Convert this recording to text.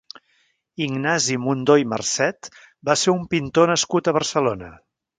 Ignasi Mundó i Marcet va ser un pintor nascut a Barcelona.